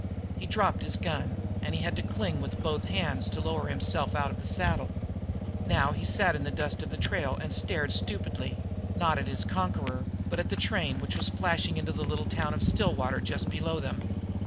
He dropped his gun, and he had to cling with both hands to lower himself out of the saddle. Now he sat in the dust of the trail and stared stupidly, not at his conqueror, but at the train that was flashing into the little town of Stillwater, just below them.